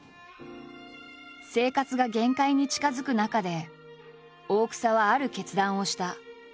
生活が限界に近づく中で大草はある決断をした。